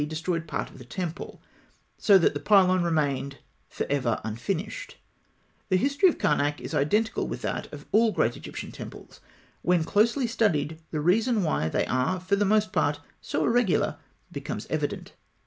destroyed part of the temple, so that the pylon remained for ever unfinished. The history of Karnak is identical with that of all the great Egyptian temples. When closely studied, the reason why they are for the most part so irregular becomes evident.